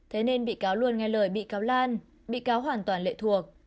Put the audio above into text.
thế nên bị cáo luôn nghe lời bị cáo lan bị cáo hoàn toàn lệ thuộc